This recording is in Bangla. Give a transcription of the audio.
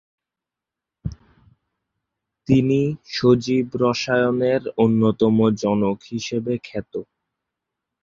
তিনি সজীব রসায়নের অন্যতম জনক হিসেবে খ্যাত।